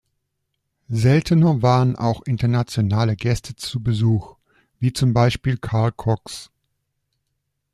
Seltener waren auch internationale Gäste zu Besuch, wie zum Beispiel Carl Cox.